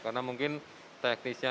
karena mungkin teknisnya